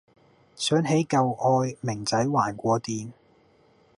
想起舊愛明仔還過電